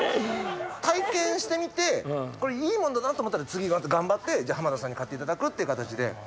体験してみてこれいいもんだなと思ったら次また頑張って浜田さんに買っていただくっていう形で。